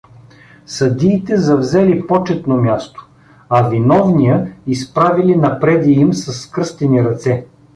Съдиите завзели почетно място, а виновния изправили напреде им със скръстени ръце.